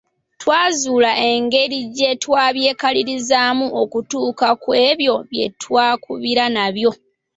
Twazuula engeri gye twabyekalirizaamu okutuuka ku ebyo bye twakubira nabyo.